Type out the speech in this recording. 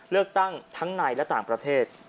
เลือกตั้งทั้งในและต่างประเทศ